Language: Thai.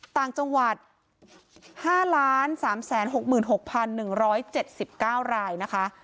ต่างจังหวัด๕๓๖๖๑๗๙รายนะคะ